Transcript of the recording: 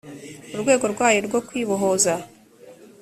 urwego rwayo rwo kwibohoza